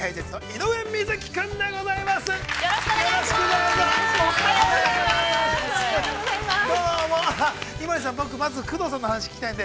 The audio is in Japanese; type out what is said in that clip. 井森さん、僕、工藤さんのお話、聞きたいんで。